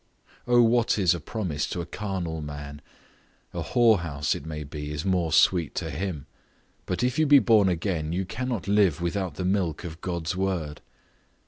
O what is a promise to a carnal man; a whorehouse, it may be, is more sweet to him; but if you be born again, you cannot live without the milk of God's word.